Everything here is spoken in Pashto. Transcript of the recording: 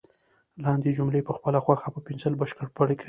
لاندې جملې په خپله خوښه په پنسل بشپړ کړئ.